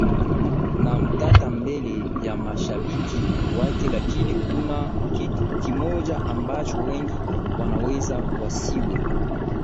na mtata mbele ya mashabiki wake lakini kuna kitu kimoja ambacho wengi wanaweza wasiwe